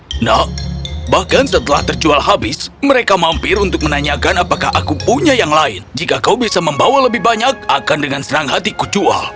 tidak bahkan setelah terjual habis mereka mampir untuk menanyakan apakah aku punya yang lain jika kau bisa membawa lebih banyak akan dengan serang hatiku jual